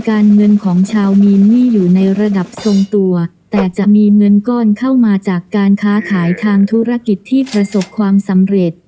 เงินของชาวมีนนี่อยู่ในระดับทรงตัวแต่จะมีเงินก้อนเข้ามาจากการค้าขายทางธุรกิจที่ประสบความสำเร็จ